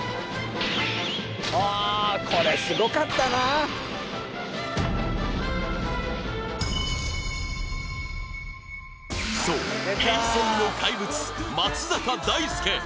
ああこれすごかったなそう平成の怪物松坂大輔